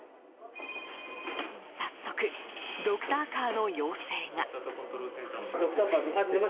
早速、ドクターカーの要請が。